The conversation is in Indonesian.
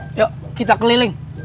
kayaknya pasti bright